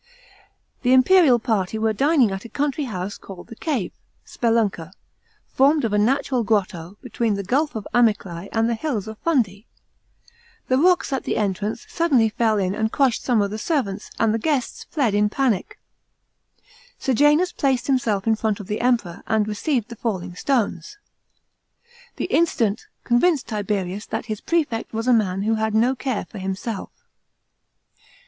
The imperial party were dining at a country house called the " Cave " (Spelunca), formed of a natural grotto, between the gulf of Amyclse and the hills of Fundi. The rocks at the entrance suddenly fell in and crushed some of the servants, and the guests fled in panic. Sejanus placed himself in front of the Emperor, and received the falling stones. This incident convinced Tiberius that his prefect was a man who had no care for himself.